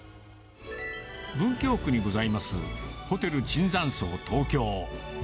文京区にございます、ホテル椿山荘東京。